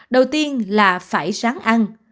đầu tiên là phải ráng ăn